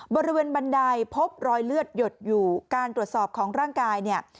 บริเวณบันไดพบรอยเลือดหยดอยู่การตรวจสอบของร่างกาย